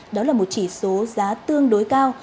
đó là một chỉ số giá tương đối cao